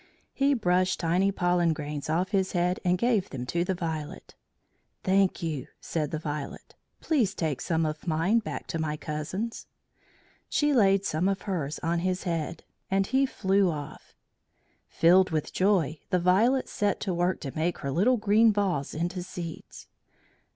He brushed tiny pollen grains off his head and gave them to the Violet. "Thank you," said the Violet. "Please take some of mine back to my cousins." She laid some of hers on his head, and he flew off. Filled with joy, the Violet set to work to make her little green balls into seeds.